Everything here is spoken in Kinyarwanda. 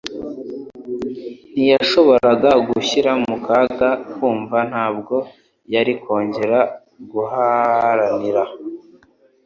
Ntiyashoboraga gushyira mu kaga kumva; Ntabwo yari kongera guharanira;